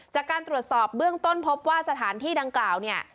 จากการตรวจสอบเบื้องต้นพบว่าสถานที่ดังกล่าวเนี่ย